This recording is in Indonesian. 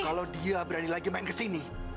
kalau dia berani lagi main kesini